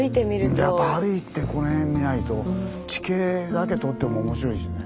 うんやっぱ歩いてこの辺見ないと地形だけ取っても面白いしね。